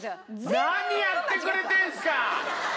何やってくれてんすか！